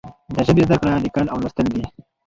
د ژبې زده کړه لیکل او لوستل دي.